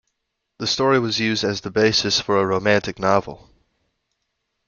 The story was used as the basis for a romantic novel.